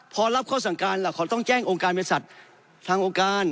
พอรับข้อสั่งการล่ะเขาต้องแจ้งองค์การบริษัททางองค์การ